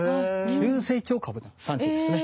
急成長株の産地ですね。